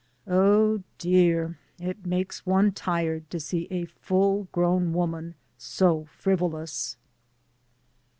Oh, dear, it makes one tired to see a full grown woman so frivolous.